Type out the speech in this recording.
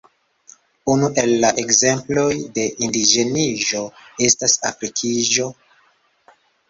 Unu el la ekzemploj de indiĝeniĝo estas afrikiĝo (antaŭenigo de afrikaj kulturoj).